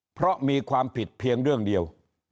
เพราะมีความผิดเพียงเรื่องเดียว